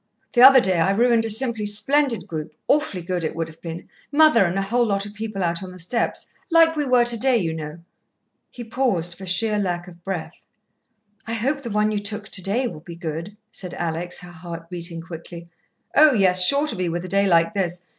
The other day I ruined a simply splendid group awfully good, it would have been: mother and a whole lot of people out on the steps like we were today, you know " He paused for sheer lack of breath. "I hope the one you took today will be good," said Alex, her heart beating quickly. "Oh, yes, sure to be, with a day like this.